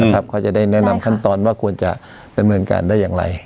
เขาจะได้แนะนำขั้นตอนว่าควรจะดำเนินการได้อย่างไร